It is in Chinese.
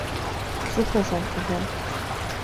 滋贺县出身。